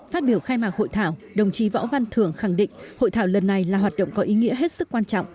phát biểu khai mạc hội thảo đồng chí võ văn thường khẳng định hội thảo lần này là hoạt động có ý nghĩa hết sức quan trọng